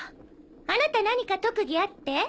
あなた何か特技あって？